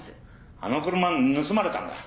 あの車盗まれたんだ。